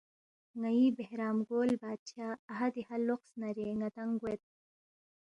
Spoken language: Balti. ن٘ئی بہرام گول بادشاہ اَہا دیہا لوقس نارے ن٘دانگ گوید